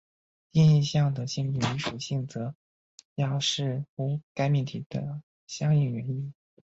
定义项的性质与属性则要视乎该命题的相应原意。